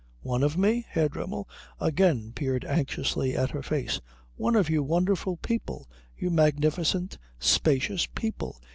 "One of me?" Herr Dremmel again peered anxiously at her face. "One of you wonderful people you magnificent, spacious people.